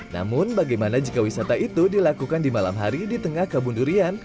namun bagaimana jika wisata itu dilakukan di malam hari di tengah kebun durian